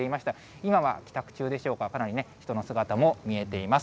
今は帰宅中でしょうか、かなり人の姿も見えています。